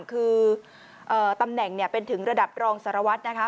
คือตำแหน่งเป็นถึงระดับรองสารวัตรนะคะ